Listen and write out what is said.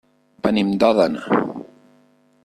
Venim d'Òdena.